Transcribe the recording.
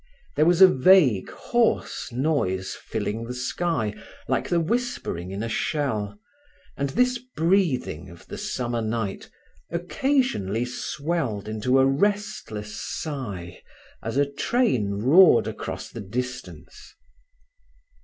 There was a vague hoarse noise filling the sky, like the whispering in a shell, and this breathing of the summer night occasionally swelled into a restless sigh as a train roared across the distance.